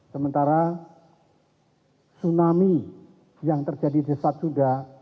sementara tsunami yang terjadi di satuda